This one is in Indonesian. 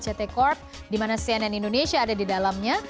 ct corp di mana cnn indonesia ada di dalamnya